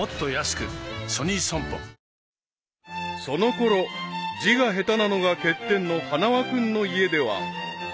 ［そのころ字が下手なのが欠点の花輪君の家では］